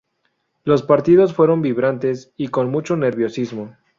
Los partidos fueron vibrantes y con mucho nerviosismo.